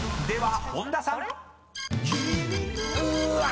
［では本田さん］